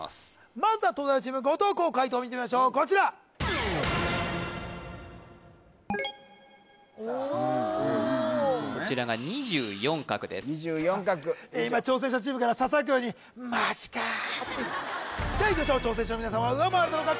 まずは東大王チーム後藤弘解答を見てみましょうこちら・おおこちらが２４画です今挑戦者チームからささやくように「マジか」ってではいきましょう挑戦者の皆さんは上回れたのか？